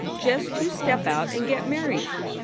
Just you step out and get married.